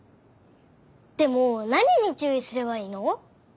でもなににちゅういすればいいの？